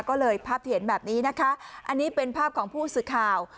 ก็เลยภาพที่เห็นแบบนี้นะคะอันนี้เป็นภาพของผู้สื่อข่าว